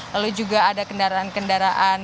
lalu juga ada kendaraan kendaraan